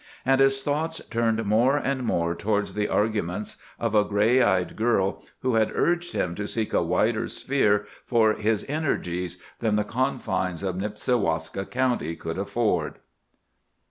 And his thoughts turned more and more towards the arguments of a grey eyed girl, who had urged him to seek a wider sphere for his energies than the confines of Nipsiwaska County could afford.